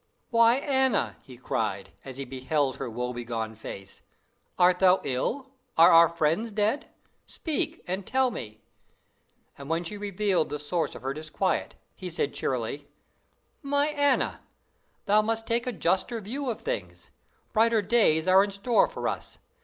"Why, Anna!" he cried, as he beheld her woe begone face, "art thou ill? Are our friends dead? Speak, and tell me!" And as she revealed the source of her disquiet, he said cheerily, "My Anna, thou must take a juster view of things. Brighter days are in store for us.